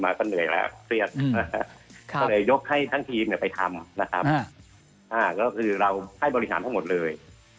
มันจะปล่อยเราให้บริหารทั้งหมดเลย